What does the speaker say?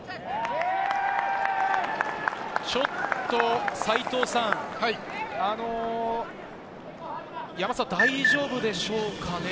ちょっと齊藤さん、山沢は大丈夫でしょうかね？